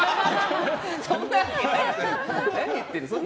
そんなわけないじゃん。